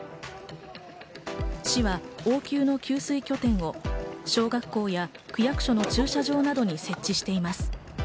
市は応急の給水拠点を小学校や区役所の駐車場などに設置しています。